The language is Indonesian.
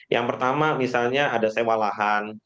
yang pertama misalnya ada sewa lahan